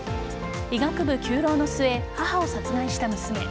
医学部９浪の末、母を殺害した娘。